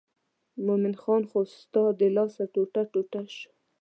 مومن خان خو ستا د لاسه ټوټه ټوټه شو.